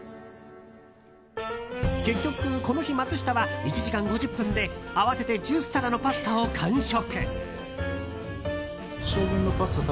結局この日、マツシタは１時間５０分で合わせて１０皿のパスタを完食。